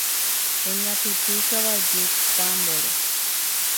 Eñapytĩ kavaju támbore.